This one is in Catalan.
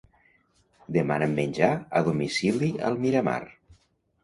Demana'm menjar a domicili al Miramar.